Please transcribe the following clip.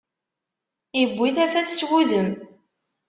Iwwi tafat s wudem.